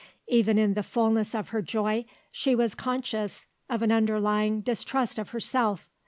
Even in the fullness of her joy, she was conscious of an underlying distrust of herself.